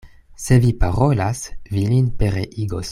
Se vi parolas, vi lin pereigos.